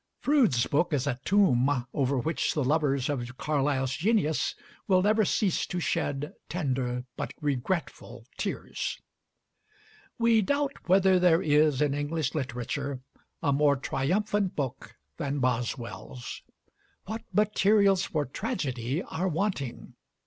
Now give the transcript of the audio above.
Froude's book is a tomb over which the lovers of Carlyle's genius will never cease to shed tender but regretful tears. We doubt whether there is in English literature a more triumphant book than Boswell's. What materials for tragedy are wanting?